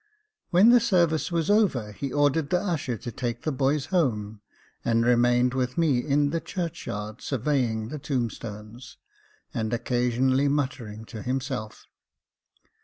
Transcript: When the service was over, he ordered the usher to take the boys home, and remained with me in the churchyard, surveying the tomb stones, and occasionally muttering to himself.